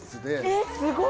えっすごい！